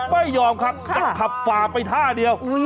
ไม่ยอมครับจะขับฝ่าไปท่าเดียว